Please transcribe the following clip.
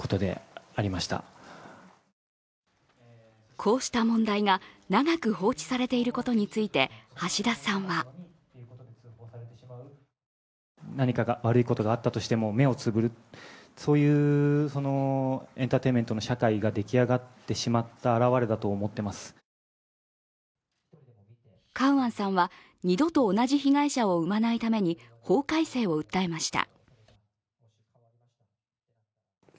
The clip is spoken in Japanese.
こうした問題が長く放置されていることについて、橋田さんはカウアンさんは、二度と同じ被害者を生まないために法改正を訴えました。